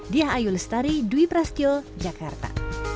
diayulestari dwi prasetyo jakarta